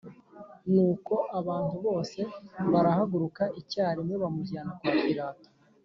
Nuko abantu bose bahagurukira icyarimwe bamujyana kwa Pilato